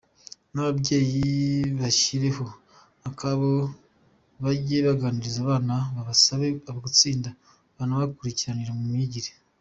N’ababyeyi bashyireho akabo bage baganiriza abana babasabe gutsinda banabakurikirane mu myigire.